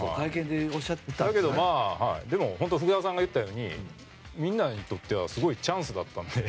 だけど、本当福田さんが言ったようにみんなにとってはチャンスだったので。